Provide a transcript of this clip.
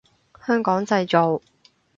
香港製造